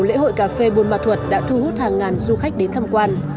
lễ hội cà phê buôn ma thuật đã thu hút hàng ngàn du khách đến thăm quan